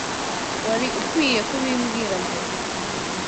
Wari ukwiye kubimbwira mbere.